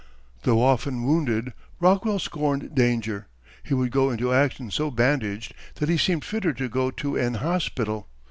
Though often wounded, Rockwell scorned danger. He would go into action so bandaged that he seemed fitter to go to an hospital.